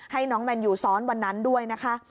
ให้น้องแมนยูซ้อนวันนั้นด้วยนะคะ